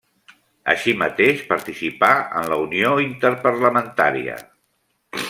Així mateix participà en la Unió interparlamentària.